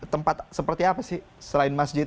tempat seperti apa sih selain masjid